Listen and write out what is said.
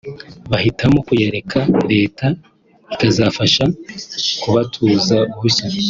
bahitamo kuyareka Leta ikazabafasha kubatuza bushya